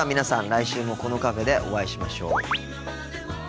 来週もこのカフェでお会いしましょう。